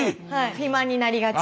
肥満になりがち。